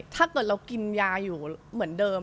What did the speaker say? ถ้าเกิดเรากินยาอยู่เหมือนเดิม